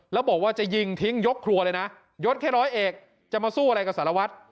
แล้วบอกว่าจะยิงทิ้งยกครัวเลยนะยดแค่ร้อยเอกจะมาสู้อะไรกับสารวัตร